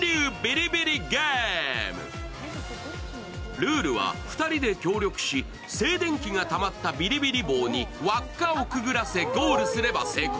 ルールは、２人で協力し、静電気がたまったビリビリ棒に輪っかをくぐらせゴールすれば成功。